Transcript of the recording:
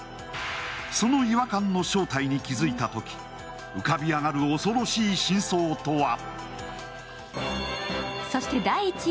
その違和感の正体に気付いたとき、浮かび上がる恐ろしい真相とは？